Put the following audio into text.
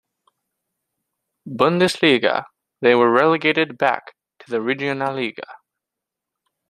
Bundesliga, they were relegated back to the Regionalliga.